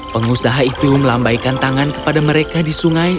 pengusaha itu melambaikan tangan kepada mereka di sungai